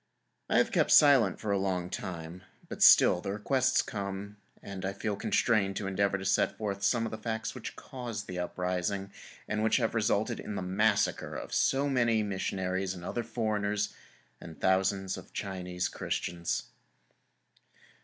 I have kept silent for a long time, but still the requests come, and I feel constrained to endeavor to set forth some of the facts which caused the uprising and which resulted in the massacre of so many missionaries and other foreigners, and thousands of Chinese Christians.